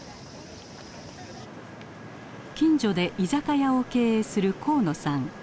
近所で居酒屋を経営する河野さん。